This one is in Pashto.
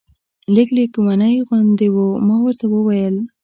لږ لېونۍ غوندې وې. ما ورته وویل.